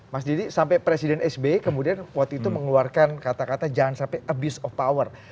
mas didi sampai presiden sby kemudian waktu itu mengeluarkan kata kata jangan sampai abuse of power